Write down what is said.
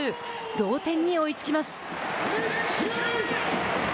同点に追いつきます。